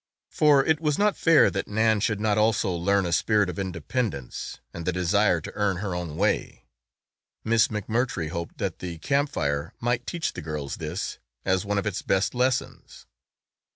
For it was not fair that Nan should not also learn a spirit of independence and the desire to earn her own way. Miss McMurtry hoped that the Camp Fire might teach the girls this as one of its best lessons.